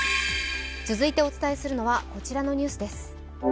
続いてお伝えするのは、こちらのニュースです。